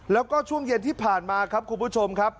แล้วก็ช่วงเย็นที่ผ่านมาครับคุณผู้ชมครับ